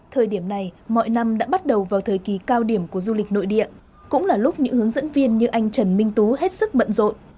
thời điểm này mọi năm đã bắt đầu vào thời kỳ cao điểm của du lịch nội địa cũng là lúc những hướng dẫn viên như anh trần minh tú hết sức bận rộn